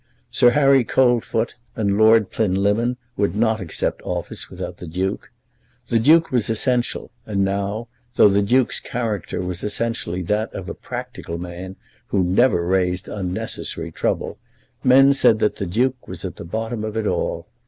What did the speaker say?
Sir Harry Coldfoot and Lord Plinlimmon would not accept office without the Duke. The Duke was essential, and now, though the Duke's character was essentially that of a practical man who never raised unnecessary trouble, men said that the Duke was at the bottom of it all.